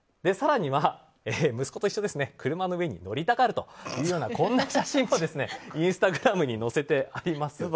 更には息子と一緒で車の上に載りたがるとこんな写真もインスタグラムに載せています。